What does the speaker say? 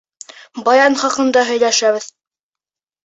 Баян хаҡында һөйләшәбеҙ.